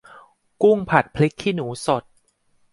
กุ้งผัดพริกขี้หนูสด